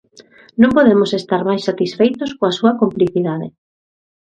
Non podemos estar máis satisfeitos coa súa complicidade.